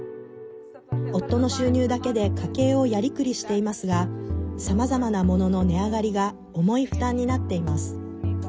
夫の収入だけで家計をやりくりしていますがさまざまなものの値上がりが重い負担になっています。